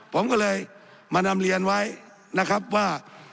ผมก็เลยมานำเรียนไว้นะครับว่า